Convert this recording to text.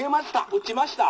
「打ちました」。